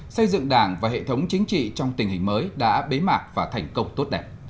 xây dựng đảng và hệ thống chính trị trong tình hình mới đã bế mạc và thành công tốt đẹp